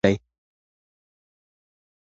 دا کتاب د انسان د ارادې او مېړانې یو ستر انځور دی.